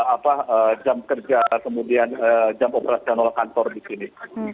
apa jam kerja kemudian jam operasional kantor di sini